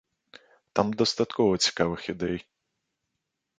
Там дастаткова цікавых ідэй.